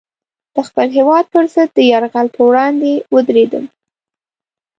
د خپل هېواد پر ضد د یرغل پر وړاندې ودرېدم.